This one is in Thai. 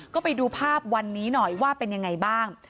ก็ไปดูภาพวันนี้หน่อยว่าเป็นยังไงบ้าง